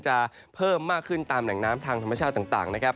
เพิ่มมากขึ้นตามแหล่งน้ำทางธรรมชาติต่างนะครับ